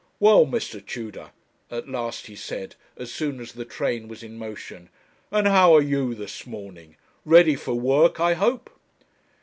'Well, Mr. Tudor,' at last he said, as soon as the train was in motion, 'and how are you this morning ready for work, I hope?'